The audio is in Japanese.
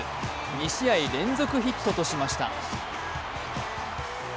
２試合連続ヒットとました。